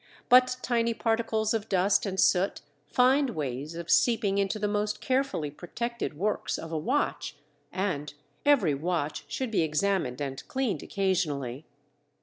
But tiny particles of dust and soot find ways of seeping into the most carefully protected works of a watch, and every watch should be examined and cleaned occasionally.